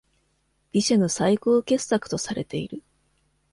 ヴィシェの最高傑作とされている。